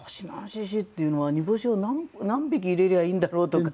シーシーっていうのは煮干しを何匹入れりゃいいんだろうとか。